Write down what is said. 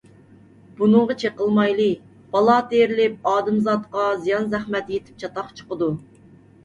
بۇنىڭغا چېقىلمايلى، بالا تېرىلىپ، ئادەمزاتقا زىيان - زەخمەت يېتىپ، چاتاق چىقىدۇ.